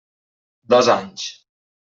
Dos anys.